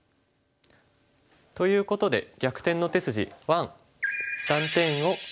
ということで「逆転の手筋１」。